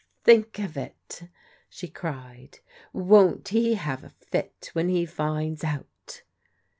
" Think of it !" she cried " Won't he have a fit when he finds out